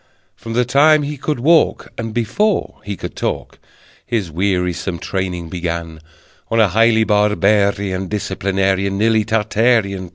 From the time he could walk, And before he could talk, His wearisome training began, On a highly barbarian, Disciplinarian, Nearly Tartarean Plan!